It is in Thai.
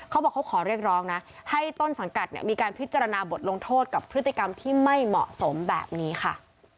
เขาบอกเขาขอเรียกร้องนะให้ต้นสังกัดมีการพิจารณาบทลงโทษกับพฤติกรรมที่ไม่เหมาะสมแบบนี้ค่ะ